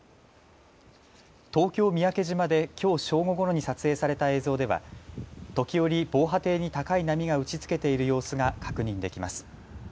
東京三宅島できょう正午ごろに撮影された映像では時折、防波堤に高い波が打ちつけている様子が確認できます。